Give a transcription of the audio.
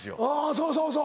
そうそうそう。